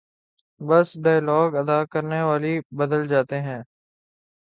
بس ڈائیلاگ ادا کرنے والے بدل جاتے ہیں۔